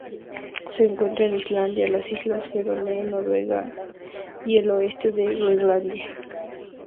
Se encuentra en Islandia, las Islas Feroe, Noruega, Skagerrak y el oeste de Groenlandia.